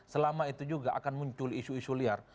selama itu juga akan muncul isu isu liar